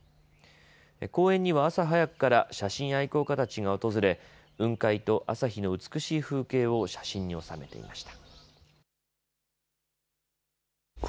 公園には朝早くから写真愛好家たちが訪れ、雲海と朝日の美しい風景を写真に収めていました。